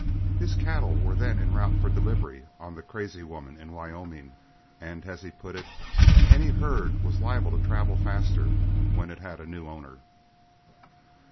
His cattle were then en route for delivery on the Crazy Woman in Wyoming, and, as he put it, "any herd was liable to travel faster when it had a new owner."